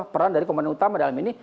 peran dari komandan utama dalam ini